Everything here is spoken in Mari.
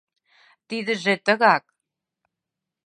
Тидыже тыгак...